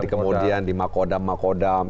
kemudian di makodam makodam